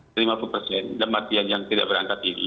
dan maksudnya yang tidak berangkat ini